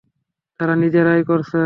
তারা নিজেরাই করছে।